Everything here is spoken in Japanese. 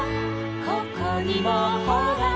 「ここにもほら」